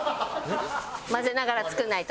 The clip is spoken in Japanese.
混ぜながら作らないと。